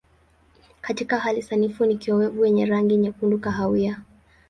Katika hali sanifu ni kiowevu yenye rangi nyekundu kahawia.